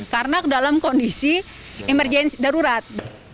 karena dalam kondisi emergensi darurat